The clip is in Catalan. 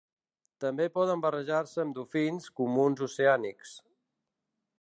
També poden barrejar-se amb dofins comuns oceànics.